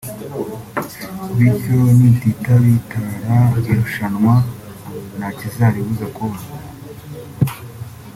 bityo nititabitara irushanwa ntakizaribuza kuba